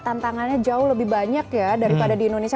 tantangannya jauh lebih banyak ya daripada di indonesia